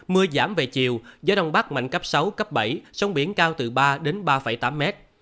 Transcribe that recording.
mưa giảm về chiều gió đông bắc mạnh cấp sáu bảy sông biển cao từ ba ba tám m